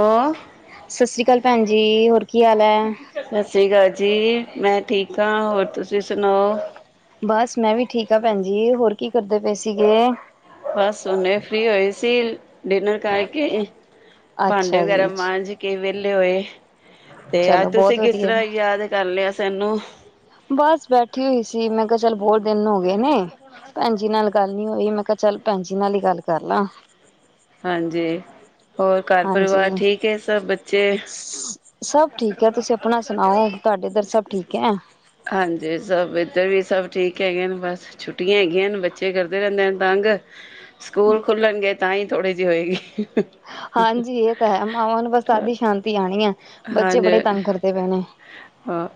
Hello ਸਤਿ ਸ੍ਰੀ ਅਕਾਲ ਭੈਨ ਜੀ, ਹੋਰ ਕੀ ਹਾਲ ਐ? ਸਤਿ ਸ਼੍ਰੀ ਅਕਾਲ ਜੀ, ਮੈਂ ਠੀਕ ਆਂ, ਹੋਰ ਤੁਸੀਂ ਸੁਨਾਓ। ਬਸ ਮੈਂ ਵੀ ਠੀਕ ਆਂ ਭੈਨ ਜੀ, ਹੋਰ ਕੀ ਕਰਦੇ ਪਏ ਸੀਗੇ? ਬਸ ਹੁਨੇ ਫ੍ਰੀ ਹੋਏ ਸੀ ਡਿਨਰ ਕਰਕੇ, ਭਾਂਡੇ ਅੱਛਾ ਵਗੈਰਾ ਜੀ ਮਾਂਜ ਕੇ ਵੇਲੇ ਹੋਏ ਤੇ ਅੱਜ ਚਲੋ ਬਹੁਤ ਤੁਸੀਂ ਕਿਸ ਵਧੀਆ। ਤਰ੍ਹਾਂ ਯਾਦ ਕਰ ਲਿਆ ਸਾਨੂੰ? ਬਸ ਬੈਠੀ ਹੋਈ ਸੀ, ਮੈਂ ਕਿਹਾ ਚੱਲ ਬੋਤ ਦਿਨ ਹੋ ਗਏ ਨੇ। ਭੈਣ ਜੀ ਨਾਲ ਗੱਲ ਨੀ ਹੋਈ, ਮੈਂ ਕਿਹਾ ਚੱਲ ਭੈਣ ਜੀ ਨਾਲ ਹੀ ਗੱਲ ਕਰ ਲਾਂ। ਹਾਂਜੀ, ਹੋਰ ਘਰ ਪਰਿਵਾਰ ਹਾਂਜੀ ਠੀਕ ਏ ਸਭ ਬੱਚੇ? ਸਭ ਠੀਕ ਐ, ਤੁਸੀਂ ਆਪਣਾ ਸੁਨਾਓ ਤੁਹਾਡੇ ਓਦਰ ਸਭ ਠੀਕ ਐ। ਹਾਂਜੀ, ਸਭ ਏਧਰ ਵੀ ਸਭ ਠੀਕ ਹੈਗੇ ਨ ਬਸ। ਛੁੱਟੀਆਂ ਹੈਗੀਆਂ ਹਨ, ਬੱਚੇ ਕਰਦੇ ਰਹਿੰਦੇ ਨੇ ਤੰਗ। ਸਕੂਲ ਖੁੱਲ੍ਹਣਗੇ ਤਾਂ ਹੀ ਥੋੜ੍ਹੇ ਜੀ ਹੋਏਗੀ। ਹਾਂਜੀ ਏ ਤਾਂ ਹੈ, ਮਾਵਾਂ ਨੂੰ ਬਸ ਤਦ ਈ ਸ਼ਾਂਤੀ ਆਣੀ ਐ। ਹਾਂਜੀ, ਹਾਂ,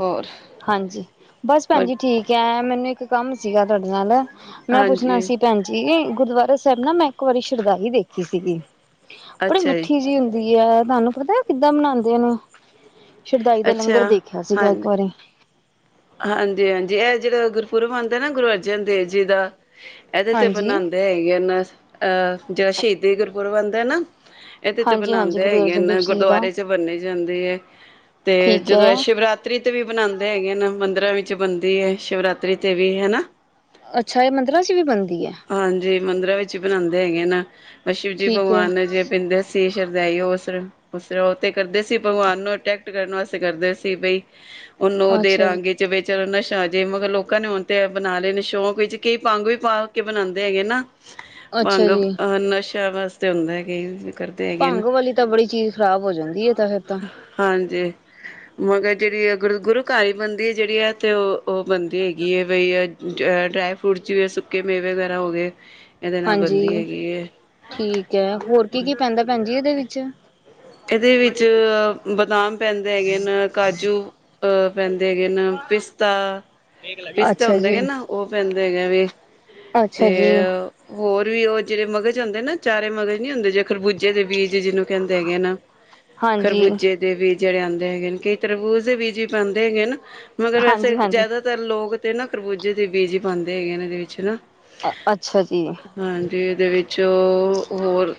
ਹੋਰ ਹਾਂਜੀ ਬਸ ਭੈਣ ਹੋਰ ਜੀ ਠੀਕ ਐ, ਮੈਨੂੰ ਇੱਕ ਕੰਮ ਸੀਗਾ ਤੁਹਾਡੇ ਨਾਲ, ਮੈਂ ਪੁੱਛਨਾ ਹਾਂਜੀ ਸੀ ਭੈਣ ਜੀ, ਗੁਰਦੁਆਰਾ ਸਾਹਿਬ ਨਾ ਮੈਂ ਇੱਕ ਵਾਰੀ ਸ਼ਰਦਾਈ ਦੇਖੀ ਸੀਗੀ। ਬੜੀ ਅੱਛਾ ਜੀ, ਮਿੱਠੀ ਜਿਹੀ ਹੁੰਦੀ ਐ, ਤੁਹਾਨੂੰ ਪਤਾ ਕਿੱਦਾਂ ਬਨਾਂਦੇ ਓਨੂੰ? ਸ਼ਰਦਾਈ ਦਾ ਲੰਗਰ ਅੱਛਾ ਦੇਖਿਆ ਸੀਗਾ ਇੱਕ ਵਾਰੀ। ਹਾਂਜੀ-ਹਾਂਜੀ, ਐ ਜੇੜਾ ਗੁਰਪੁਰਬ ਆਂਦਾ ਨਾ ਗੁਰੂ ਅਰਜਨ ਦੇਵ ਜੀ ਦਾ, ਏਦੇ ਤੇ ਹਾਂਜੀ ਬਨਾਂਦੇ [unintelligible] ਅਹ ਜਦੋਂ ਸ਼ਹੀਦੀ ਗੁਰਪੁਰਬ ਆਂਦਾ ਨਾ ਐਦੇ ਤੇ ਹਾਂਜੀ ਹਾਂਜੀ ਬਨਾਂਦੇ ਗੁਰੂ ਹੈਗੇ ਅਰਜਨ ਦੇਵ ਨ, ਜੀ ਦਾ ਗੁਰਦਆਰੇ 'ਚ ਬਨੀ ਜਾਂਦੀ ਏ। ਤੇ ਠੀਕ ਹੈ ਜਦੋਂ ਏ ਸ਼ਿਵਰਾਤਰੀ ਤਰੀ ਤੇ ਵੀ ਬਨਾਂਦੇ ਹੈਗੇ ਨ, ਮੰਦਿਰਾਂ ਵਿੱਚ ਬਨਦੀ ਐ ਸ਼ਿਵਰਾਤਰੀ ਤੇ ਵੀ ਹਨਾ। ਅੱਛਾ ਏ ਮੰਦਰਾ 'ਚ ਵੀ ਬਨਦੀ ਐ। ਹਾਂਜੀ ਮੰਦਿਰਾਂ ਵਿੱਚ ਬਨਾਂਦੇ ਹੈਗੇ ਨ, ਸ਼ਿਵ ਜੀ ਠੀਕ ਹੈ ਭਗਵਾਨ ਜਿਵੇਂ ਪੀਂਦੇ ਸੀ ਸ਼ਰਦਾਈ ਓਸ ਓਸ ਉਹ ਤੇ ਕਰਦੇ ਸੀ ਭਗਵਾਨ ਨੂੰ ਅਟੈਕਟ ਕਰਨ ਵਾਸਤੇ ਕਰਦੇ ਸੀ ਬਈ ਓਨੂੰ ਦੇ ਅੱਛਾ ਜੀ ਰਾਂਗੇ ਵਿੱਚ ਏਦੇ ਨਸ਼ਾ ਆ ਜੇ, ਮਗਰ ਲੋਕਾਂ ਨੇ ਹੁਨ ਤੇ ਐ ਬਨਾ ਲੇ ਨੇ ਸ਼ੌਂਕ ਵਿੱਚ ਕਈ ਭੰਗ ਵੀ ਪਾ ਕੇ ਬਨਾਂਦੇ ਹੈਗੇ ਨਾ। ਅੱਛਾ ਭੰਗ ਜੀ ਅਹ ਨਸ਼ਾ ਵਾਸਤੇ ਹੁੰਦਾ ਹੈ ਕਿ ਭੰਗ ਵਾਲੀ ਤਾਂ ਬੜੀ ਚੀਜ਼ ਖਰਾਬ ਹੋ ਜਾਂਦੀ ਹੈ ਤਾਂ ਫਿਰ ਤਾਂ ਹਾਂਜੀ ਮਗਰ ਜਿਹੜੀ ਗੁਰੂ ਘਰ ਬੰਦੀ ਹੈ ਜਿਹੜੀ ਹੈ ਤੇ ਉਹ ਉਹ ਬੰਦੇ ਹੈਗੀ ਹੈ ਬਈ ਡਰਾਈ ਫਰੂਟ 'ਚ ਵੀ ਸੁੱਕੇ ਮੇਵੇ ਵਗੈਰਾ ਹੋ ਗਏ ਇਹਦੇ ਨਾਲ ਹਾਂਜੀ ਬਣਦੀ ਹੈਗੀ ਹੈ ਠੀਕ ਹੈ ਹੋਰ ਕੀ ਕੀ ਪੈਂਦਾ ਭੈਣ ਜੀ ਇਹਦੇ ਵਿੱਚ ਇਹਦੇ ਵਿੱਚ ਬਦਾਮ ਪੈਂਦੇ ਹੈਗੇ ਨੇ ਕਾਜੂ ਅ ਪੈਂਦੇ ਹੈਗੇ ਨੇ ਪਿਸਾਤ ਤਾ ਅੱਛਾ ਜੀ ਉਹ ਪੈਂਦੇ ਹੈ ਵੇ ਤੇ ਅੱਛਾ ਜੀ, ਹੋਰ ਵੀ ਉਹ ਜਿਹੜੇ ਮਗਜ਼ ਹੁੰਦੇ ਨਾ ਚਾਰੇ ਮਗਜ਼ ਨੀ ਹੁੰਦੇ ਜੇ ਖਰਬੂਜੇ ਦੇ ਬੀਜ ਜਿਹਨੂੰ ਕਹਿੰਦੇ ਹੈਗੇ ਨਾ ਹਾਂਜੀ, ਖਰਬੂਜੇ ਦੇ ਵੀਜ ਜਿਹੜੇ ਆਉਂਦੇ ਹੈਗੇ ਨੇ ਕਈ ਤਰਬੂਜ਼ ਦੇ ਬੀਜ ਵੀ ਪਾਉਂਦੇ ਹੈਗੇ ਨੇ ਮਗਰ ਵੈਸੇ ਹਾਂਜੀ, ਹਾਂਜੀ। ਜ਼ਿਆਦਾਤਰ ਲੋਕ ਤੇ ਨਾ ਖਰਬੂਜੇ ਦੇ ਬੀਜ ਹੀ ਪਾਉਂਦੇ ਹੈਗੇ ਇਹਦੇ ਵਿੱਚ ਹਨਾ ਅ ਅੱਛਾ ਜੀ ਹਾਂਜੀ ਉਹਦੇ ਵਿੱਚ ਹੋਰ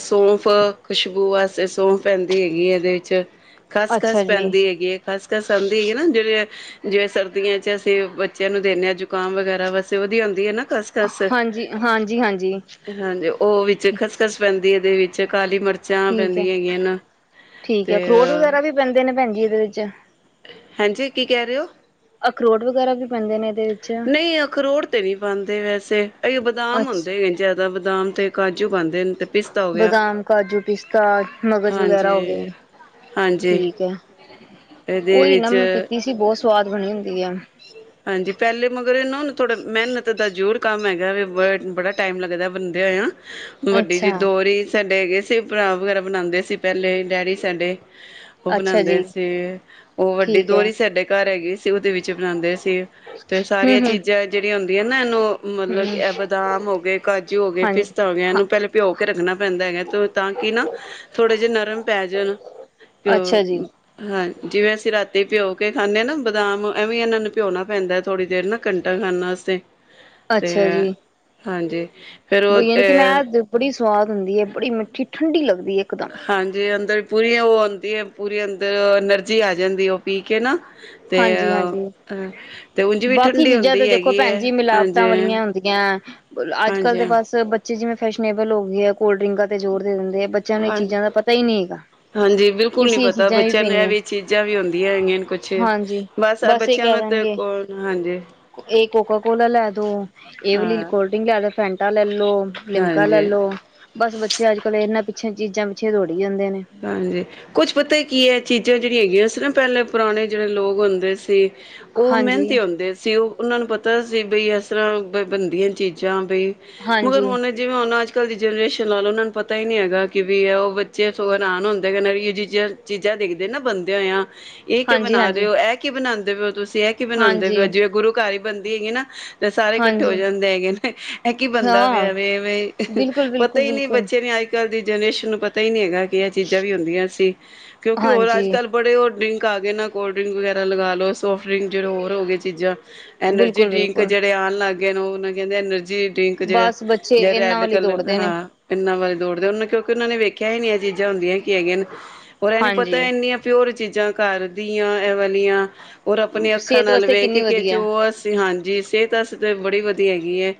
ਸੌਫ ਖੁਸ਼ਬੂ ਆਸ ਫਿਰ ਸੌਫ ਪੈਂਦੀ ਹੈਗੀ ਹੈ ਇਹਦੇ ਵਿੱਚ ਖਸ ਅੱਛਾ ਖਸ ਜੀ, ਪੈਂਦੀ ਹੈਗੀ ਹੈ। ਖਸ ਖਸ ਆਂਦੀ ਹੈਗੀ ਨਾ ਜਿਹੜੇ ਜਿਵੇਂ ਸਰਦੀਆਂ ਚ ਅਸੀਂ ਬੱਚਿਆਂ ਨੂੰ ਦਿੰਦੇ ਹਾਂ ਜ਼ੁਕਾਮ ਵਗੈਰਾ ਵਸੇ ਉਹਦੀ ਆਉਂਦੀ ਹੈ ਨਾ ਕਸ ਖਸ ਹਾਂਜੀ, ਹਾਂਜੀ, ਹਾਂਜੀ। ਹਾਂਜੀ ਉਹ ਵਿੱਚ ਠੀ ਖਸ ਖਸ ਪੈਂਦੀ ਇਹਦੇ ਵਿੱਚ ਕਾਲੀ ਮਿਰਚਾਂ ਠੀਕ ਐ, ਪੈਂਦੀਆਂ ਹੈਗੀਆਂ ਨਾ ਠੀਕ ਐ, ਤੇ ਅਖਰੋਟ ਵਗੈਰਾ ਵੀ ਪੈਂਦੇ ਨੇ ਭੈਣ ਜੀ ਇਹਦੇ ਵਿੱਚ। ਹਾਂਜੀ ਕੀ ਕਹਿ ਰਹੇ ਹੋ ਅਖਰੋਟ ਵਗੈਰਾ ਵੀ ਪੈਂਦੇ ਨੇ ਇਹਦੇ ਵਿੱਚ। ਨਹੀਂ ਅਖਰੋਟ ਤੇ ਨਹੀਂ ਬੰਦੇ ਵੈਸੇ ਬਦਾਮ ਅੱਛ, ਹੁੰਦੇ ਵੇ ਜਿਆਦਾ ਬਦਾਮ ਤੇ ਕਾਜੂ ਪਾਂਦੇ ਨੇ ਤੇ ਪਿਸਤਾ ਹੋ ਗਿਆ ਬਦਾਮ ਕਾਜੂ ਪਿਸਤਾ ਮਗਜ਼ ਵਗੈਰਾ ਹੋ ਗਏ ਹਾਂਜੀ ਹਾਂਜੀ ਠੀਕ ਹੈ। ਇਹਦੇ ਉਹੀ ਨਾ ਵਿੱਚ ਮੈਂ ਪੀਤੀ ਸੀ ਬਹੁਤ ਸਵਾਦ ਬਣੀ ਹੁੰਦੀ ਹੈ। ਹਾਂਜੀ ਪਹਿਲੇ ਮਗਰ ਇਹ ਨਾ ਥੋੜਾ ਮਿਹਨਤ ਦਾ ਜ਼ਰੂਰ ਕੰਮ ਹੈਗਾ ਵੀ ਬੜਾ ਟਾਈਮ ਲੱਗਦਾ ਬਣਦੇ ਹੋ ਵੱਡੀ ਅੱਛਾ। ਜੀ ਦੋਹਰੀ ਸਾਡੇ ਹੈਗੇ ਤੇ ਭਰਾ ਵਗੈਰਾ ਬਣਾਉਂਦੇ ਸੀ ਪਹਿਲੇ ਡੈਡੀ ਸਾਡੇ ਉਹ ਅੱਛਾ ਬਣਾਉਂਦੇ ਜੀ, ਸੀ ਉਹ ਵੱਡੀ ਠੀਕ ਐ, ਦੋਹਰੀ ਸਾਡੇ ਘਰ ਹੈਗੀ ਸੀ ਉਹਦੇ ਵਿੱਚ ਬਣਾਉਂਦੇ ਸੀ। ਤੇ ਹੂੰ, ਸਾਰੀਆਂ ਹੂੰ, ਚੀਜ਼ਾਂ ਜਿਹੜੀਆਂ ਹੁੰਦੀਆਂ ਨਾ ਇਹਨੂੰ ਮਤਲਬ ਕਿ ਹੂੰ, ਇਹ ਬਦਾਮ ਹੋ ਗਏ ਕਾਜੂ ਹੋ ਗਏ ਹਾਂਜੀ। ਪਿਸਤਾ ਹੋ ਗਿਆ ਹਾਂ, ਇਹਨੂੰ ਪਹਿਲੇ ਭਿਓ ਕੇ ਰੱਖਣਾ ਪੈਂਦਾ ਹੈਗਾ ਤਾਂ ਕਿ ਨਾ ਥੋੜੇ ਜਿਹੇ ਨਰਮ ਪੈ ਜਾਣ ਅੱਛਾ ਜੀ, ਹਾਂ ਜਿਵੇਂ ਅਸੀਂ ਰਾਤੀ ਭਿਓ ਕੇ ਖਾਂਦੇ ਹਾਂ ਨਾ ਬਦਾਮ ਐਵੇਂ ਇਹਨਾਂ ਨੂੰ ਭਿਉਣਾ ਪੈਂਦਾ ਥੋੜੀ ਦੇਰ ਨਾ ਕੰਟਾ ਖਾਣ ਵਾਸਤੇ ਤੇ ਅੱਛਾ ਜੀ। ਹਾਂਜੀ ਫਿਰ ਉਹ ਯਾਨੀ ਕਿ ਮੈਂ [unintelligible] ਬੜੀ ਸਵਾਦ ਹੁੰਦੀ ਹੈ ਬੜੀ ਮਿੱਠੀ ਠੰਡੀ ਲਗਦੀ ਹੈ ਇੱਕਦਮ ਹਾਂਜੀ ਅੰਦਰ ਪੂਰੀ ਉਹ ਆਉਂਦੀ ਹੈ ਪੂਰੀ ਅੰਦਰ ਐਨਰਜੀ ਆ ਜਾਂਦੀ ਉਹ ਪੀ ਕੇ ਨਾ ਤੇ ਹਾਂਜੀ ਹਾਂਜੀ ਅ ਤੇ ਉਂਝ ਵੀ ਬਾਕੀ ਠੰਡੀ ਚੀਜ਼ਾਂ ਤੇ ਹੁੰਦੀ ਦੇਖੋ ਹੈਗੀ ਭੈਣ ਹੈ ਜੀ ਹਾਂਜੀ ਮਿਲਾਵਟਾਂ ਵਾਲੀਆਂ ਹੁੰਦੀਆਂ ਅੱਜ ਕੱਲ ਹਾਂਜੀ ਦੇ ਬਸ ਬੱਚੇ ਜਿਵੇਂ ਫੈਸ਼ਨੇਬਲ ਹੋ ਗਏ ਹੈ ਕੋਲਡ ਡਰੀਆਂ ਤੇ ਜ਼ੋਰ ਦੇ ਦਿੰਦੇ ਆ ਬੱਚਿਆਂ ਨੂੰ ਇਹ ਹਾਂਜੀ ਚੀਜ਼ਾਂ ਦਾ ਪਤਾ ਹੀ ਨਹੀਂ ਹੈਗਾ ਹਾਂਜੀ ਕਿ ਬਿਲਕੁਲ ਨੀ ਅਸੀਂ ਇਹ ਪਤਾ ਚੀਜ਼ਾਂ ਬੱਚਿਆਂ ਨੂੰ ਇਹ ਪੀਣੀਆਂ ਵੀ ਚੀਜ਼ਾਂ ਵੀ ਹੁੰਦੀਆਂ ਹੈਗੀਆਂ ਨੇ ਕੁਛ ਅੱਛਾ ਹਾਂਜੀ ਬਸ ਇਹ ਬੱਚਿਆਂ ਕਹਿ ਨੂੰ ਤੇ ਦੇਣਗੇ ਕੌਣ ਹਾਂਜੀ ਇਹ ਕੋਕਾ ਕੋਲ ਲੈ ਦੋ ਇਹ ਵਾਲੀ ਕੋਲਡਰਿੰਗ ਹਾਂ ਕੋਲਡਿੰਗ ਲੈ ਲਓ ਜਾ ਫੈਂਟਾ ਲੈ ਲਓ ਜਾ ਲਿਮਕਾ ਲੈ ਹਾਂਜੀ ਲਓ ਬਸ ਬੱਚੇ ਅੱਜ ਕੱਲ ਇਹਨਾਂ ਪਿੱਛੇ ਚੀਜ਼ਾਂ ਪਿੱਛੇ ਦੌੜੀ ਜਾਂਦੇ ਨੇ ਹਾਂਜੀ ਕੁੱਝ ਪਤਾ ਹੀ ਕੀ ਹੈ ਚੀਜ਼ਾਂ ਜਿਹੜੀਆਂ ਹੈਗੀਆਂ ਸੀ ਨਾ ਪਹਿਲੇ ਪੁਰਾਣੇ ਜਿਹੜੇ ਲੋਕ ਹੁੰਦੇ ਸੀ। ਉਹ ਹਾਂਜੀ ਮਿਹਨਤੀ ਆਉਂਦੇ ਸੀ ਉਹ ਉਹਨਾਂ ਨੂੰ ਪਤਾ ਸੀ ਬਈ ਇਸ ਤਰ੍ਹਾਂ ਬਣਦੀਆਂ ਚੀਜ਼ਾਂ ਬਈ ਮਗਰ ਹਾਂਜੀ ਹੁਣ ਜਿਵੇਂ ਹੁਣ ਅੱਜ ਕੱਲ ਦੀ ਜਨਰੇਸ਼ਨ ਨਾਲ ਉਹਨਾਂ ਨੂੰ ਪਤਾ ਹੀ ਨਹੀਂ ਹੈਗਾ ਕਿ ਵੀ ਇਹ ਉਹ ਬੱਚੇ ਹੈਰਾਨ ਹੁੰਦੇ ਨਵੀਂ ਚੀਜ਼ਾਂ ਦੇਖਦੇ ਨਾ ਬੰਦੇ ਹੋਏ ਆ ਇਹ ਕਿ ਹਾਂਜੀ ਬਣਾ ਰਹੇ ਹਾਂਜੀ ਹੋ ਇਹ ਇਹ ਕੀ ਬਣਾਉਂਦੇ ਪਏ ਹੋ ਤੁਸੀਂ ਇਹ ਕੀ ਬਣਾਉਂਦੇ ਹਾਂਜੀ, ਪਏ ਜਿਵੇਂ ਗੁਰੂ ਘਰ ਬਣਦੀ ਹੈਗੀ ਨਾ ਤੇ ਸਾਰੇ ਇਕੱਠੇ ਹੋ ਹਾਂਜੀ ਜਾਂਦੇ ਹੈਗੇ ਨੇ, ਐ ਕੀ ਬਨਦਾ ਹਾਂ ਪਿਆ ਵੇ, ਵੇ। ਬਿਲਕੁਲ, ਪਤਾ ਬਿਲਕੁਲ, ਹੀ ਨਹੀਂ, ਬਿਲਕੁਲ ਬੱਚੇ ਨੇ ਆਈ ਅੱਜ-ਕੱਲ ਦੀ ਜਨਰੇਸ਼ਨ ਨੂੰ ਪਤਾ ਹੀ ਨਹੀਂ ਹੈਗਾ, ਕਿ ਇਹ ਚੀਜ਼ਾਂ ਵੀ ਹੁੰਦੀਆਂ ਸੀ, ਕਿਉਂਕਿ ਹੋਰ ਹਾਂਜੀ ਅੱਜ-ਕੱਲ ਬੜੇ ਉਹ ਡ੍ਰੀੰਕ ਆ ਗਏ ਨਾ, ਕੋਲਡ ਡ੍ਰੀੰਕ ਵਗੈਰਾ ਲਗਾਲੋ ਸੋਫਟ ਡ੍ਰੀੰਕ, ਜਿਹੜੇ ਹੋਰ ਹੋ ਗਏ ਚੀਜ਼ਾਂ। ਐਨਰਜੀ ਬਿਲਕੁਲ, ਡਰਿੰਕ ਬਿਲਕੁਲ ਜਿਹੜੇ ਆਉਣ ਲੱਗ ਗਏ ਨੇ, ਉਹ ਤਾਂ ਕਹਿੰਦੇ ਐਨਰਜੀ ਪਿੰਕ'ਚ ਬਸ ਬੱਚੇ ਜਾਂ ਇਹਨਾਂ ਰੈਡ ਵੱਲ ਹੀ ਕਲਰ, ਦੌੜਦੇ ਨੇ ਹਾਂ। ਇੰਨਾ ਵੱਲ ਦੌੜਦੇ, ਉਹਨਾ ਕਿਉਂਕਿ ਉਹਨਾਂ ਨੇ ਵੇਖਿਆ ਹੀ ਨਹੀਂ ਐ ਚੀਜ਼ਾਂ ਹੁੰਦੀਆਂ ਕੀ ਹੈਗੀਆਂ ਨ, ਔਰ ਇਹ ਨੀ ਹਾਂਜੀ ਪਤਾ ਇੰਨੀਆਂ ਪਿਓਰ ਚੀਜ਼ਾਂ ਘਰਦੀਆਂ ਐ ਵਾਲੀਆਂ, ਔਰ ਆਪਣੇ ਅੱਖਾਂ ਸਿਹਤ ਨਾਲ ਵਾਸਤੇ ਕਿੰਨੀ ਵੇਖਕੇ ਜੋ ਵਧੀਆ ਅਸ ਹਾਂਜੀ, ਸਿਹਤ ਵਸ ਤਾਂ ਬੜੀ ਵਧੀਆ ਹੈਗੀ ਹੈ।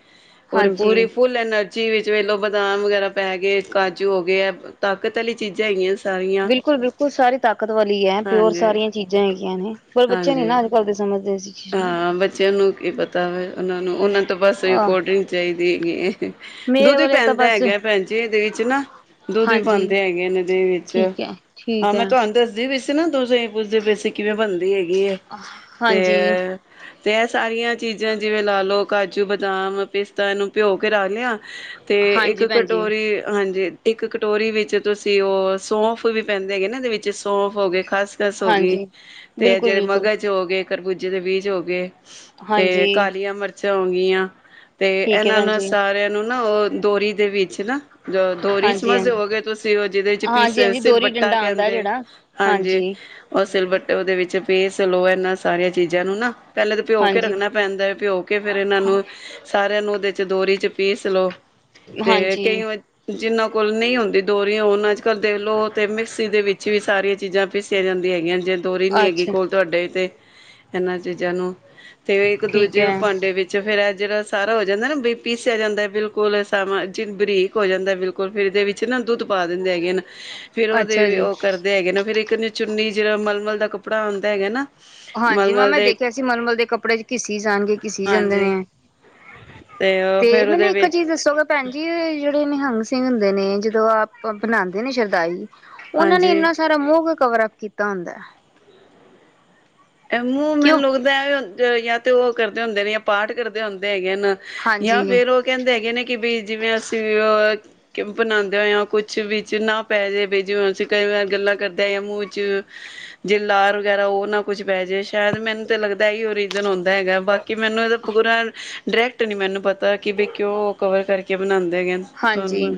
ਓਰ ਹਾਂਜੀ ਪੂਰੀ ਫੁਲ ਐਨਰਜੀ ਵਿੱਚ ਵੇਲੋ, ਬਦਾਮ ਵਗੈਰਾ ਪੈ ਗਏ, ਕਾਜੂ ਹੋ ਗਏ, ਐ ਤਾਕਤ ਵਾਲੀ ਚੀਜ਼ਾਂ ਹੈਗੀਆਂ। ਸਾਰੀਆਂ ਬਿਲਕੁਲ-ਬਿਲਕੁਲ, ਸਾਰੀ ਤਾਕਤ ਵਾਲੀ ਐ, ਪਿਓਰ ਹਾਂਜੀ ਸਾਰੀਆਂ ਚੀਜ਼ਾਂ ਹੈਗੀਆਂ ਨੇ, ਪਰ ਬੱਚੇ ਨੀ ਹਾਂਜੀ ਨਾ ਅੱਜ-ਕੱਲ ਦੇ ਸਮਝਦੇ ਸੀ। ਹਾਂ, ਬੱਚਿਆਂ ਨੂੰ ਕੀ ਪਤਾ ਵੇ, ਉਹਨਾਂ ਨੂੰ, ਉਹਨਾਂ ਤੋਂ ਬਸ ਆਹ ਕੋਲਡ ਡਰਿੰਕ ਚਾਹੀਦੀ ਹੈਗੀ ਏ। ਮੇਰੇ ਦੁੱਧ ਵੀ ਵਾਲੇ ਤਾਂ ਪੈਂਦਾ ਬਸ ਹੈਗਾ ਭੈਣ ਜੀ, ਇਹਦੇ ਵਿੱਚ ਨਾ। ਦੁੱਧ ਵੀ ਹਾਂਜੀ ਪਾਂਦੇ ਹੈਗੇਨ ਇਹਦੇ ਵਿੱਚ, ਠੀਕ ਹੈ, ਹਾਂ, ਠੀਕ ਹੈ ''ਮੈਂ ਤੁਵਾਂਨੂੰ ਦੱਸਦੀ ਵੀ ਨਾ ਦੁੱਧ ਦੀ ਪੁੱਛਦੇ ਪੇ ਸੀ, ਕਿਵੇਂ ਬਣਦੀ ਹੇਗੀ ਏ, ਤੇ ਹਾਂਜੀ, ਤੇ ਐ ਸਾਰੀਆਂ ਚੀਜ਼ਾਂ ਜਿਵੇਂ ਲਾਲੋ, ਕਾਜੂ, ਬਦਾਮ, ਪੀਸਤਾ ਇਹਨੂੰ ਭਿਂਓਕੇ ਰੱਖਲਿਆ ਤੇ, ਇੱਕ ਹਾਂਜੀ ਭੈਣ ਜੀ ਕਟੋਰੀ, ਹਾਂਜੀ। ਇੱਕ ਕਟੋਰੀ ਵਿੱਚ ਤੁਸੀਂ ਉਹ ਸੌਂਫ ਵੀ ਪੈਂਦੇ ਹੈਗੇ ਨਾ, ਇਹਦੇ ਵਿੱਚ ਵਿੱਚ ਸੌਂਫ ਹੋ ਗਏ, ਖਸਖਸ ਹੋ ਗਈ, ਹਾਂਜੀ ਤੇ ਬਿਲਕੁਲ, ਜੇ ਬਿਲਕੁਲ ਮਗਜ਼ ਹੋਗੇ, ਖਰਬੂਜੇ ਦੇ ਬੀਜ ਹੋ ਗਏ ਤੇ, ਹਾਂਜੀ ਕਾਲੀਆਂ ਮਰਚਾਂ ਹੋਗੀਆਂ। ਤੇ, ਠੀਕ ਹੈ ਇਹਨਾਂ ਭੈਣ ਨੂੰ ਜੀ ਸਾਰਿਆਂ ਨੂੰ ਨਾ, ਉਹ ਦੋਰੀ ਦੇ ਵਿੱਚ ਨਾ ਜੋ ਦੋਰੀ ਹਾਂਜੀ ਸਮਝਦੇ ਹਾਂਜੀ ਹੋਗੇ ਤੁਸੀਂ, ਉਹ ਜਿਹਦੇ'ਚ ਪੀਸ, ਹਾਂਜੀ ਹਾਂਜੀ ਦੋਹਰੀ ਸੀਲਬੱਟਾ ਡੰਡਾ ਆਉਂਦਾ ਕਹਿੰਦੇ ਜਿਹੜਾ ਹਾਂਜੀ। ਉਹ ਸਿਲਬੱਟੇ ਉਹਦੇ ਵਿੱਚ ਪੀਸਲੋ ਇਹਨਾਂ ਸਾਰੀਆਂ ਚੀਜ਼ਾਂ ਨੂੰ ਨਾ, ਪਹਿਲੇ ਤਾਂ ਭਿੰਓਂਕੇ ਹਾਂਜੀ ਰੱਖਣਾ ਪੈਂਦਾ ਏ, ਭਿੰਓਕੇ ਫੇਰ ਇਹਨਾਂ ਨੂੰ, ਸਾਰਿਆਂ ਨੂੰ ਉਹਦੇ'ਚ ਦੋਰੀ'ਚ ਪੀਸਲੋ। ਤੇ ਹਾਂਜੀ ਕਈਆਂ, ਜਿੰਨਾਂ ਕੋਲ ਨਹੀਂ ਹੁੰਦੀ ਦੋਰੀਆਂ ਉਹਨਾਂ'ਚ ਅੱਜ-ਕੱਲ ਦੇਖਲੋ, ਤੇ ਮਿਕਸੀ ਦੇ ਵਿੱਚ ਵੀ ਸਾਰੀਆਂ ਚੀਜ਼ਾਂ ਪੀਸੀਆਂ ਜਾਂਦੀਆਂ ਹੈਗੀਆਂ, ਜੇ ਦੋਰੀ ਨੀ ਹੈਗੀ ਅੱਛਾ ਕੋਲ ਤੁਹਾਡੇ ਤੇ ਇਹਨਾਂ ਚੀਜ਼ਾਂ ਨੂੰ, ਤੇ ਠੀਕ ਇੱਕ-ਦੂਜੇ ਹੈ ਭਾਂਡੇ ਵਿੱਚ 'ਚ ਫਿਰ ਜਿਹੜਾ ਸਾਰਾ ਹੋ ਜਾਂਦਾ ਨਾ, ਬੀ ਪੀਸਿਆ ਜਾਂਦਾ, ਬਿਲਕੁਲ ਸਾਂ ਜ ਬਰੀਕ ਹੋ ਜਾਂਦਾ ਬਿਲਕੁਲ, ਫਿਰ ਇਹਦੇ ਵਿੱਚ ਨਾ ਦੁੱਧ ਪਾ ਦਿੰਦੇ ਹੈਗੇਨ। ਫਿਰ ਅੱਛਾ ਉਹਦੇ, ਜੀ ਉਹ ਕਰਦੇ ਹੈਗੇ ਨਾ, ਫਿਰ ਇੱਕ ਚੁੰਨੀ ਜਿਹੜਾ ਮਲਮਲ ਦਾ ਕੱਪੜਾ ਆਂਦਾ ਹੈਗਾ ਨਾ ਹਾਂਜੀ, ਮੈਂ, ਮਲਮਲ ਮੈਂ ਦੇ ਦੇਖਿਆ ਸੀ ਮਲਮਲ ਦੇ ਕੱਪੜੇ'ਚ ਘਿੱਸੀ ਜਾਣਗੇ, ਘਿੱਸੀ ਜਾਂਦੇ ਹਾਂਜੀ ਨੇ। ਤੇ, ਫੇਰ ਮੈਨੂੰ ਉਹਦੇ ਇੱਕ ਵਿੱਚ ਚੀਜ਼ ਦੱਸੋਗੇ ਭੈਣ ਜੀ, ਜਿਹੜੇ ਨਿਹੰਗ ਸਿੰਘ ਹੁੰਦੇ ਨੇ, ਜਦੋਂ ਆਪ ਬਣਾਂਦੇ ਨੇ ਸ਼ਰਦਾਈ ਉਹਨਾਂ ਨੇ ਹਾਂਜੀ ਇੰਨਾ ਸਾਰਾ, ਮੂੰਹ ਕਿਉਂ ਕਵਰ-ਅਪ ਕੀਤਾ ਹੁੰਦਾ? ਐ, ਮੂੰਹ ਕਿ ਮੈਨੂੰ ਉਹ ਲੱਗਦਾ ਵੀ ਯਾ, ਤੇ ਉਹ ਕਰਦੇ ਹੁੰਦੇ ਨੇ, ਯਾ ਪਾਠ ਕਰਦੇ ਹੁੰਦੇ ਹੈਗੇ ਹਨ। ਯਾ ਹਾਂਜੀ ਫਿਰ ਉਹ ਕਹਿੰਦੇ ਹੈਗੇ ਨੇ, ਕਿ ਬਈ ਜਿਵੇਂ ਅਸੀਂ ਅਹ ਕਿ ਬਣਾਉਂਦੇ ਹੋਇਆਂ ਕੁਛ ਵਿੱਚ ਨਾ ਪੈ ਜਾਵੇ, ਜਿਵੇਂ ਅਸੀਂ ਕਈ ਵਾਰ ਗੱਲਾਂ ਕਰਦੇ ਮੂੰਹ'ਚ ਜੇ ਲਾਰ ਵਗੈਰਾ, ਉਹ ਨਾ ਕੁਛ ਪੈਜੇ, ਸ਼ਾਇਦ ਮੈਨੂੰ ਤਾਂ ਲੱਗਦਾ ਹੀ ਏਹੀਓ ਰੀਜਨ ਹੁੰਂਦਾ ਹੈਗਾ, ਬਾਕੀ ਮੈਨੂੰ ਇਹਦਾ ਪੂਰਾ ਡਾਇਰੈਕਟ ਨਹੀਂ ਮੈਨੂੰ ਪਤਾ, ਕਿ ਵੀ ਕਿਉਂ ਕਵਰ ਕਰਕੇ ਬਣਾਉਂਦੇ ਹੈਗੇਨ। ਹਾਂਜੀ,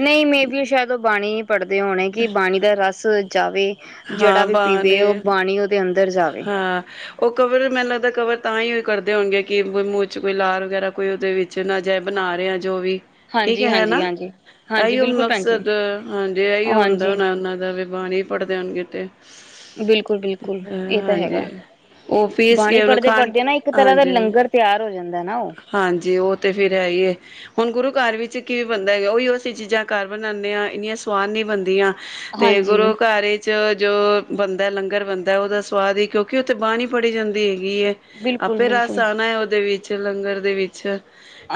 ਨਹੀਂ, ਮੇਬੀ ਓ ਸ਼ਾਇਦ ਲਬ ਬਾਣੀ ਪੜਦੇ ਹੋਣੇ, ਕਿ ਬਾਣੀ ਦਾ ਰਸ ਜਾਵੇ, ਜਿਹੜਾ ਵੀ ਪੀਵੇ ਉਹ ਬਾਣੀ ਅੰਦਰ ਜਾਵੇ। ਹਾ। ਓਹ ਕਵਰ ਮੈਨੂੰ ਲੱਗਦਾ, ਕਵਰ ਤਾਂ ਹੀ ਕਰਦੇ ਹੋਣਗੇ, ਕਿ ਮੂੰਹ'ਚ ਕੋਈ ਲਾਰ ਵਗੈਰਾ, ਕੋਈ ਉਹਦੇ ਵਿੱਚ ਚ ਨਾ ਜਾਏ, ਬਣਾ ਰਹੇ ਆਂ, ਜੋ ਵੀ। ਹਾਂਜੀ-ਹਾਂਜੀ, ਹਾਂਜੀ। ਹਾਂਜੀ ਐਹੀਓ ਬਿਲਕੁਲ ਭੈਣ ਜੀ ਮਕਸਦ, ਹਾਂਜੀ ਐਹੀਓ ਹੁੰਦਾ ਹਾਂਜੀ। ਹੋਣਾ ਉਹਨਾਂ ਦਾ ਵੀ ਬਾਣੀ ਪੜਦੇ ਹੋਣਗੇ ਤੇ ਬਿਲਕੁਲ-ਬਿਲਕੁਲ, ਇਹ ਤਾਂ ਹਾਂਜੀ ਹੈਗਾ, ਉਹ ਪੀਸ ਬਾਣੀ ਕੇ ਉਹਨੂੰ ਖੰਡ ਪੜਦੇ-ਪੜਦਿਆਂ ਨਾ ਇੱਕ ਤਰ੍ਹਾਂ ਦਾ ਹਾਂਜੀ ਲੰਗਰ ਤਿਆਰ ਹੋ ਜਾਂਦਾ ਨਾ ਉਹ, ਹਾਂਜੀ ਉਹ ਤਾਂ ਫਿਰ ਹੈ ਹੀਏ, ਹੁਣ ਗੁਰੂ ਘਰ ਵਿੱਚ ਕੀ ਵੀ ਬਣਦਾ ਹੈਗਾ ਉਹੀ ਅਸੀਂ ਚੀਜ਼ਾਂ ਘਰ ਬਣਾਉਂਦੇ ਹਾਂ ਇੰਨੀਆਂ ਸਵਾਦ ਨੀ ਬਣਦੀਆਂ। ਤੇ ਗੁਰੂ ਹਾਂਜੀ ਘਰ ਏ, ਚ ਜੋ ਬਣਦਾ ਲੰਗਰ ਬਣਦਾ ਉਹਦਾ ਸਵਾਦ ਹੀ ਕਿਉਂਕਿ ਉੱਥੇ ਬਾਾਹਣੀ ਪੜੀ ਜਾਂਦੀ ਹੈਗੀ ਹੈ। ਬਿਲਕੁਲ, ਆਪੇ ਰਸ ਬਿਲਕੁਲ ਆਉਣਾ ਹੈ ਉਹਦੇ ਵਿੱਚ ਲੰਗਰ ਦੇ ਵਿੱਚ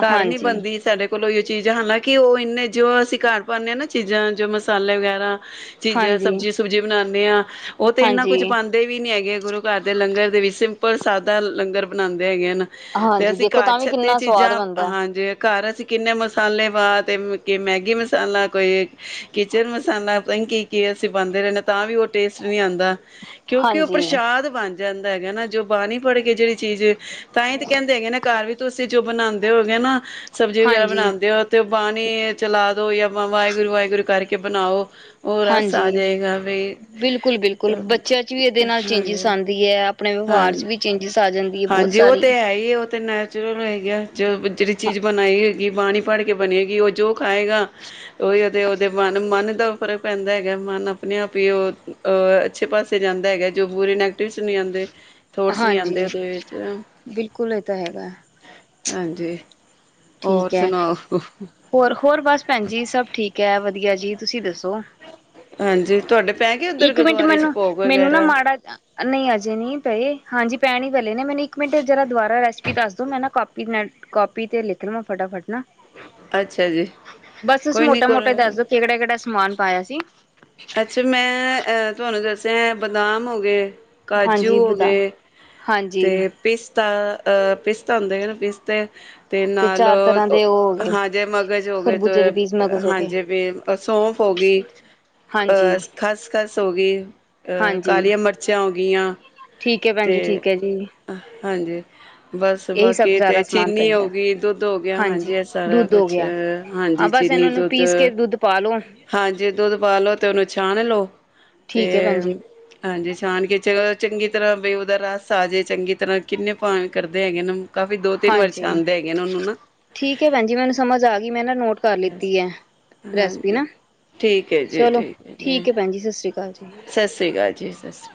ਘਰ ਨੀ ਹਾਂਜੀ, ਬਣਦੀ ਸਾਡੇ। ਕੋਲੋਂ ਹੀ ਚੀਜ਼ ਹਾਲਾਂਕਿ ਉਹ ਇੰਨੇ ਜੋ ਅਸੀਂ ਘਰ ਪਾਉਂਦੇ ਹਾਂ ਨਾ ਚੀਜ਼ਾਂ ਜੋ ਮਸਾਲੇ ਵਗੈਰਾ, ਚੀਜ਼ਾਂ ਹਾਂਜੀ, ਸਬਜ਼ੀ ਸੁਬਜੀ ਬਣਾਉਂਦੇ ਹਾਂ ਉਹ ਤੇ ਇੰਨਾ ਕੁੱਝ ਹਾਂਜੀ। ਬਣ ਦੇ ਵੀ ਨੀ ਹੈਗੇ ਗੁਰੂ ਘਰ ਦੇ ਲੰਗਰ ਦੇ ਵਿੱਚ ਸਿੰਪਲ ਸਾਦਾ ਲੰਗਰ ਬਣਾਉਂਦੇ ਹੈਗੇ ਹਨ ਤੇ ਹਾਂਜੀ ਅਸੀਂ ਦੇਖੋ ਘਰ ਤਾਂ ਵੀ ਛਤੇ ਕਿੰਨਾ ਸਵਾਦ ਚੀਜ਼ਾਂ ਬਣਦਾ ਹਾਂ ਜੇ ਘਰਾਂ ਅਸੀਂ ਕਿੰਨੇ ਮਸਾਲੇ ਪਾ ਤੇ ਕ ਮੈਗੀ ਮਸਾਲਾ ਕੋਈ ਏ ਕਿਚਨ ਮਸਾਲਾ ਪਤਾ ਨੀ ਕੀ, ਕੇ ਅਸੀਂ ਪਾਉਂਦੇ ਰਹਿੰਦੇ ਆ ਤਾਂ ਵੀ ਉਹ ਟੇਸਟ ਨਹੀਂ ਆਉਂਦਾ। ਕਿਉਂਕਿ ਉਹ ਹਾਂਜੀ, ਪ੍ਰਸ਼ਾਦ ਬਣ ਜਾਂਦਾ ਹੈਗਾ ਨਾ ਜੋ ਬਾਣੀ ਪੜ ਕੇ ਜਿਹੜੀ ਚੀਜ਼ ਏ ਤਾਂ ਹੀ ਤ ਕਹਿੰਦੇ ਹੈਗੇ ਨਾ ਘਰ ਵੀ ਤੁਸੀਂ ਜੋ ਬਣਾਉਂਦੇ ਹੋਗੇ ਨਾ ਸਬਜ਼ੀ ਵਗੈਰਾ ਹਾਂਜੀ, ਬਣਾਉਂਦੇ ਹੋ ਤੇ ਉਹ ਬਾਣੀ, ਚਲਾ ਦੋ ਯਾ ਆਪਾਂ ਵਾਹਿਗੁਰੂ ਵਾਹਿਗੁਰੂ ਕਰਕੇ ਬਣਾਓ। ਉਹ ਰਸ ਆ ਹਾਂਜੀ। ਜਾਏਗਾ ਬਈ, ਬਿਲਕੁਲ ਹ ਹਾਂਜੀ। ਦੀ ਹੈ ਆਪਣੇ ਹਾਂ ਵਿਵਹਾਰ ਚ ਵੀ ਚੇਂਜਿਸ ਆ ਜਾਂਦੀ ਹੈ ਬਹੁਤ ਹਾਂਜੀ ਉਹ ਸਾਰੀ। ਤੇ ਹੈ ਹੀ ਉਹ ਤੇ ਨ ਚਲੋ ਹੋ ਗਿਆ ਚ ਜਿਹੜੀ ਹਾਂ ਚੀਜ਼ ਬਣਾਈ ਹੋਗੀ ਬਾਣੀ ਪੜ੍ਹ ਕੇ ਬਣੀ ਹੋਗੀ ਉਹ ਜੋ ਖਾਏਗਾ। ਉਹੀ ਉਹਦੇ ਉਹਦੇ ਮਨ ਮਨ ਦਾ ਉਪਰ ਉਹ ਕਹਿੰਦਾ ਹੈਗਾ ਮਨ ਆਪਣੇ ਆਪ ਹੀ ਉਹ ਅੱਛੇ ਪਾਸੇ ਜਾਂਦਾ ਹੈਗਾ ਜੋ ਬੂਰੇ ਨੈਗੇਟਿਵਸ ਨਹੀਂ ਆਉਂਦੇ। ਥੋੜਸ ਨੀ ਆਉਂਦੇ ਹਾਂਜੀ ਉਹਦੇ ਵਿੱਚ ਬਿਲਕੁਲ ਇਹ ਤਾਂ ਹੈਗਾ ਹਾਂਜੀ, ਹੋਰ ਠੀਕ ਹੈ ਸੁਣਾਓ? ਹੋਰ ਹੋਰ ਬਸ ਭੈਣ ਜੀ ਸਭ ਠੀਕ ਹੈ ਵਧੀਆ ਜੀ ਤੁਸੀਂ ਦੱਸੋ। ਹਾਂਜੀ ਤੁਹਾਡੇ ਪੈ ਗਏ ਉੱਧਰ ਇੱਕ ਮਿੰਟ ਗੁਰਦੁਆਰੇ ਚ ਮੈਨੂੰ, ਭੋਗ ਮੈਨੂੰ ਨਾ ਵਗੈਰਾ ਮਾੜਾ ਨਹੀਂ ਅਜੇ ਨਹੀਂ ਪਏ ਹਾਂਜੀ ਪੈਣ ਹੀ ਪਲੇ ਨੇ ਮੈਨੂੰ ਇੱਕ ਮਿੰਟ ਜਰਾ ਦੁਬਾਰਾ ਰੈਸਪੀ ਦੱਸ ਦੋ ਮੈਂ ਨਾ ਕਾਪੀ ਕੀ ਨੇਟ ਕਾਪੀ ਤੇ ਲਿਖਣਾ ਫਟਾਫਟ ਨਾ, ਅੱਛਾ ਜੀ ਬਸ ਤੁਸੀਂ ਕੋਈ ਨੀ ਮੋਟਾ ਕੋ ਮੋਟਾ ਇ ਦੱਸ ਦੋ ਕਿਹੜਾ ਕਿਹੜਾ ਸਮਾਨ ਪਾਇਆ ਸੀ। ਅੱਛਾ ਮੈਂ ਅ ਤੁਹਾਨੂੰ ਦੱਸਿਆ ਐ ਬਦਾਮ ਹੋ ਗਏ, ਕਾਜੂ ਹਾਂਜੀ ਹੋ ਬਤਾ ਗਏ ਹਾਂਜੀ ਤੇ, ਪਿਸਤਾ ਅਹ ਪਿਸਤਾ ਹੁੰਦਾ ਹਨ ਨਾ ਪਿਸਤੇ ਤੇ ਚਾਰ ਨਾਲਓ ਤਰ੍ਹਾਂ ਓ, ਦੇ ਉਹ ਹੋ ਗਏ ਹਾਂ ਜੇ ਮਗਜ਼ ਹੋ ਗਏ ਤੋ ਖਰਬੂਜੇ ਦੇ ਬੀਜ ਮਗਜ਼ ਹੋ ਗਏ ਹਾਂਜੀ ਵੀ ਸੌਂਫ ਹੋ ਗਈ, ਹਾਂਜੀ ਅ ਖਸਖਸ ਹੋ ਗਈ, ਅ ਹਾਂਜੀ ਕਾਲੀਆਂ ਮਰਚਾਂ ਹੋਗਈਆਂ, ਠੀਕ ਹੈ ਭੈਣਜੀ ਠੀਕ ਹੈ ਜੀ। ਹ ਹਾਂਜੀ। ਬਸ ਇਹੀ ਸਭ ਬਾਕੀ ਸਾਰਾ ਤੇ ਸਮਾਨ ਚੀਨੀ ਪੈਂਦਾ ਹੋ ਗਈ ਦੁੱਧ ਹੋ ਗਿਆ ਹਾਂਜੀ ਇਹ ਸਾਰਾ ਦੁੱਧ ਹੋ ਕੁਛ ਗਿਆ ਅ, ਹਾਂਜੀ ਹਾਂ ਬਸ ਚੀਨੀ ਇਹਨਾਂ ਨੂੰ ਪੀਸ ਕੇ ਦੁੱਧਅ ਦੁੱਧ ਪਾ ਲੋ ਹਾਂਜੀ ਦੁੱਧ ਪਾ ਲੋ ਤੇ ਉਹਨੂੰ ਛਾਣ ਲੋ ਤੇ ਠੀਕ ਹੈ ਭੈਣ ਜੀ ਹਾਂਜੀ ਛਾਣ ਕੇ ਚ ਚੰਗੀ ਤਰ੍ਹਾਂ ਬਈ ਉਹਦਾ ਰੱਸ ਆ ਜਾਏ ਚੰਗੀ ਤਰ੍ਹਾਂ ਕਿੰਨੇ ਭਾਵੇਂ ਕਰਦੇ ਹੈਗੇ ਨੇ ਕਾਫੀ ਦੋ ਤਿੰਨ ਵਰਸ਼ ਹਾਂਜੀ ਆਂਦੇ ਹੈਗੇ ਨੇ ਉਹਨੂੰ ਨਾ ਠੀਕ ਹੈ ਭੈਣ ਜੀ ਮੈਨੂੰ ਸਮਝ ਆ ਗਈ ਮੈਂ ਨਾ ਨੋਟ ਕਰ ਲਿੱਤੀ ਹੈ ਰੈਸਪੀ ਹਾਂਜੀ ਨਾ ਚਲੋ ਠੀਕ ਹੈ ਭੈਣ ਜੀ ਸਤਿ ਸ੍ਰੀ ਅਕਾਲ ਜੀ। ਸਤਿ ਸ਼੍ਰੀ ਅਕਾਲ ਜੀ ਸਤਿ ਸ਼੍ਰੀ ਅਕਾਲ।